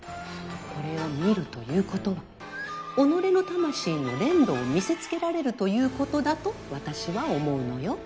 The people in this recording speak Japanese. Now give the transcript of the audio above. これを見るということは己の魂の練度を見せつけられるということだと私は思うのよ。